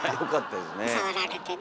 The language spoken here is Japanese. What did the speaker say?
触られてね。